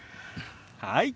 はい。